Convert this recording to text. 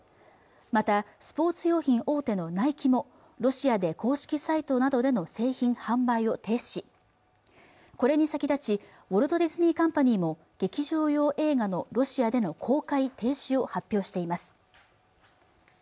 またスポーツ用品大手のナイキもロシアで公式サイトなどでの製品販売を停止これに先立ちウォルト・ディズニー・カンパニーも劇場用映画のロシアでの公開停止を発表しています